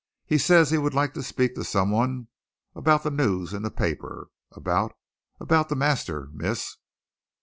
"He says he would like to speak to some one about the news in the paper about about the master, miss."